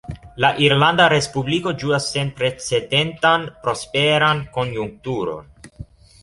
La Irlanda Respubliko ĝuas senprecendentan prosperan konjunkturon.